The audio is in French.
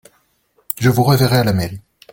Je vous reverrai à la mairie.